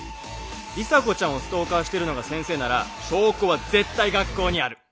里紗子ちゃんをストーカーしてるのが先生なら証拠は絶対学校にある！